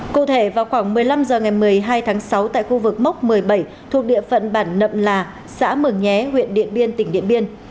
cụ thể vào khoảng một mươi năm h ngày một mươi hai tháng sáu tại khu vực mốc một mươi bảy thuộc địa phận bản nậm là xã mường nhé huyện điện biên tỉnh điện biên